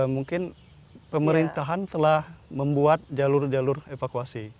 mungkin pemerintahan telah membuat jalur jalur evakuasi